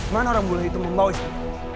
mana orang mulia itu mau isteri